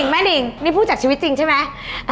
แม่นิงนี่พูดจากชีวิตจริงใช่ไหม